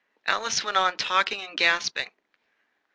Alice went on talking and gasping.